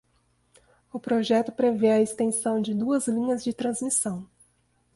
O projeto prevê a extensão de duas linhas de transmissão